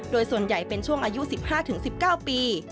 โดยส่วนใหญ่เป็นช่วงอายุ๑๕๑๙ปี